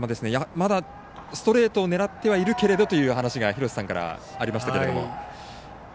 まだストレートを狙ってはいるけれどという話が廣瀬さんからありましたけど。